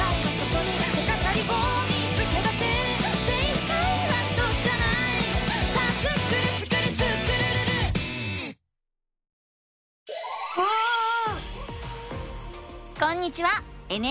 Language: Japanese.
こんにちは！